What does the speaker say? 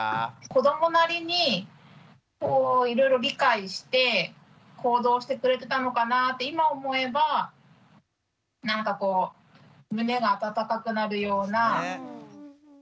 子どもなりにいろいろ理解して行動してくれてたのかなって今思えばなんかこう胸が温かくなるような行動だなって思いました。